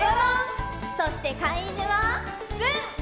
そしてかいいぬはつん！